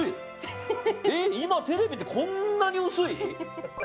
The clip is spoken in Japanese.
今、テレビってこんなに薄い？